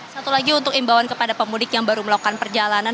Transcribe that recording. satu lagi untuk imbauan kepada pemudik yang baru melakukan perjalanan